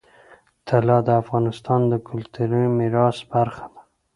طلا د افغانستان د کلتوري میراث برخه ده.